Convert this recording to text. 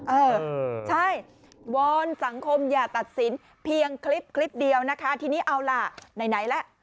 เออใช่วอนสังคมอย่าตัดสินเพียงคลิปคลิปเดียวนะคะทีนี้เอาล่ะไหนล่ะ